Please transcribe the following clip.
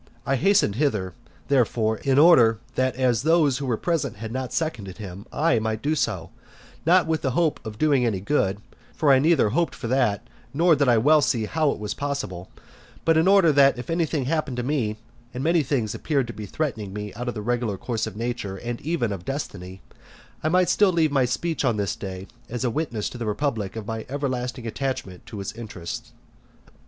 I hastened hither, therefore, in order that as those who were present had not seconded him, I might do so; not with the hope of doing any good, for I neither hoped for that, nor did I well see how it was possible; but in order that if anything happened to me, (and many things appeared to be threatening me out of the regular course of nature, and even of destiny,) I might still leave my speech on this day as a witness to the republic of my everlasting attachment to its interests.